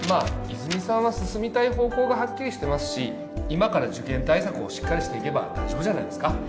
泉さんは進みたい方向がハッキリしてますし今から受験対策をしっかりしていけば大丈夫じゃないですか